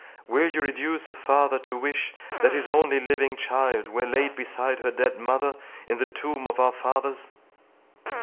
—Will you reduce a father to wish that his only living child were laid beside her dead mother, in the tomb of our fathers?"